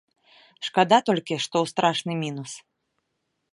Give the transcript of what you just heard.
Шкада толькі, што ў страшны мінус.